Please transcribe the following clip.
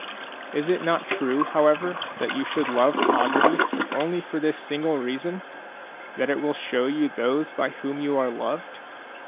Is it not true, however, that you should love poverty, if only for this single reason, — that it will show you those by whom you are loved